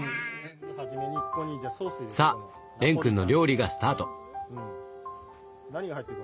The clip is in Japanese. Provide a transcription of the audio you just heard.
さあ蓮くんの料理がスタート！